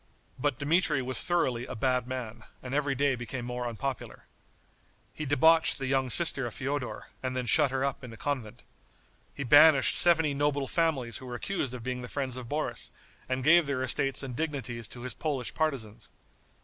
But Dmitri was thoroughly a bad man, and every day became more unpopular. He debauched the young sister of Feodor, and then shut her up in a convent. He banished seventy noble families who were accused of being the friends of Boris, and gave their estates and dignities to his Polish partisans.